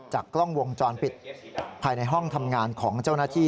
กล้องวงจรปิดภายในห้องทำงานของเจ้าหน้าที่